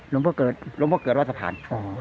ลงพุกเกอร์ลงพุกเกอร์วาสภาร